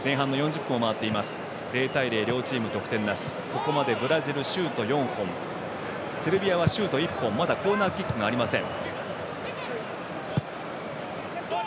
ここまでブラジルシュート４本セルビアはシュート１本まだコーナーキックがありません。